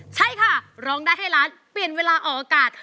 ใช่ค่ะร้องได้ให้ล้านเปลี่ยนเวลาออกอากาศ